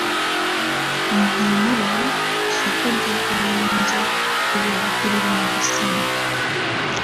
ni himuriwe isoko rya Kayonza kubera ko ririmo gusanwa